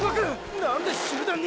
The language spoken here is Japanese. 何で集団に。